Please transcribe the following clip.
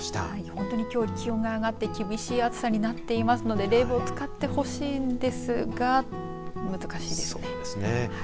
本当にきょうは気温が上がって厳しい暑さになっていますので冷房を使ってほしいんですが難しいですね。